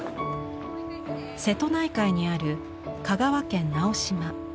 瀬戸内海にある香川県直島。